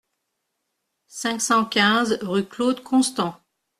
cinq cent quinze rue Claude Constant